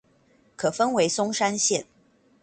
可分為松山線